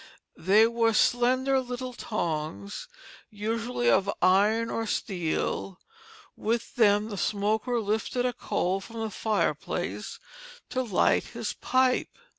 They were slender little tongs, usually of iron or steel; with them the smoker lifted a coal from the fireplace to light his pipe.